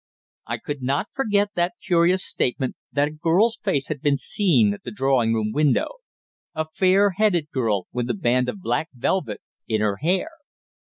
I could not forget that curious statement that a girl's face had been seen at the drawing room window a fair headed girl with a band of black velvet in her hair.